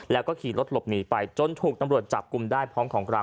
แล้วก็ขี่รถหลบหนีไปจนถูกตำรวจจับกลุ่มได้พร้อมของกลาง